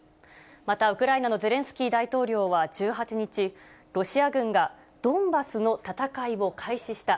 また、ウクライナのゼレンスキー大統領は１８日、ロシア軍がドンバスの戦いを開始した。